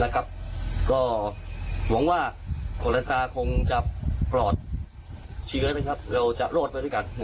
ก็หวังว่าคนละตาคงจะปลอดเชื้อเราจะรอดไปด้วยกัน